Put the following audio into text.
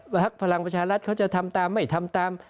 พักพลังประชารัฐเขาจะทำตามไม่ทำตาม